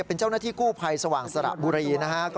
เป็นเจ้าหน้าที่กู้ภัยสว่างสระบุรีนะฮะ